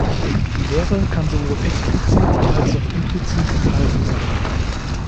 Die Lehre kann sowohl explizit als auch implizit enthalten sein.